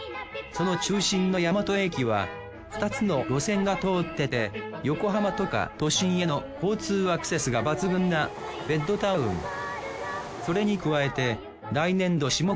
その中心の大和駅は２つの路線が通ってて横浜とか都心への交通アクセスが抜群なベッドタウン。